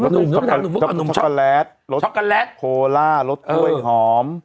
รสช็อกโกแลตรสโคล่ารสถ้วยหอม